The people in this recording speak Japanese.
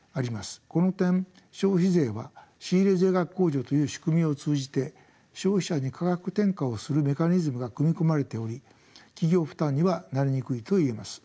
この点消費税は仕入税額控除という仕組みを通じて消費者に価格転嫁をするメカニズムが組み込まれており企業負担にはなりにくいと言えます。